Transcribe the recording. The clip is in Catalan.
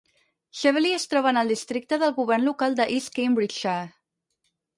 Cheveley es troba en el districte del govern local de East Cambridgeshire.